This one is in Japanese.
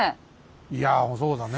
いやそうだね。